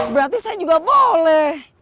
berarti saya juga boleh